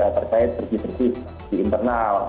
terkait bersih bersih di internal